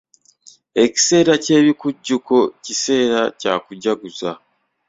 Ekiseera ky'ebikujjuko kiseera kya kujaguza.